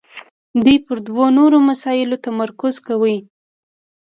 دوی پر دوو نورو مسایلو تمرکز کوي.